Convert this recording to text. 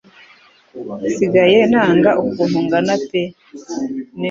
Nsigaye nanga ukuntu ngana pe, n